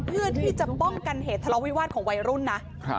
เพื่อที่จะป้องกันเหตุทะเลาวิวาสของวัยรุ่นนะ